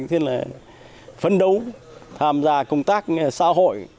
thế là phấn đấu tham gia công tác xã hội